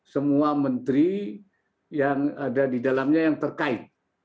semua menteri yang ada di dalamnya yang terkait